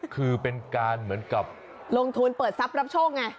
คือเป็นการเหมือนกับลงทุนเปิดทรัพย์รับโชคไง